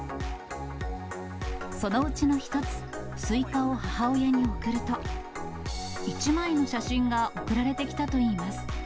そのうちの一つ、スイカを母親に送ると、１枚の写真が送られてきたといいます。